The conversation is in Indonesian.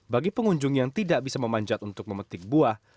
bagi pengunjung yang tidak bisa memanjat untuk memetik buah